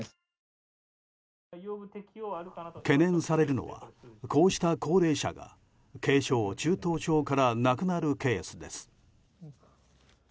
懸念されるのはこうした高齢者が軽症・中等症から亡くなるケースです。